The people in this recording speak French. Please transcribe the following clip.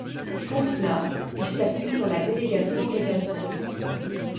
Pour cela, il s’appuie sur la délégation de bassin.